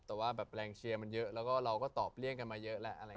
แต่ว่าแบบแรงเชียร์มันเยอะแล้วก็เราก็ตอบเลี่ยงกันมาเยอะแหละ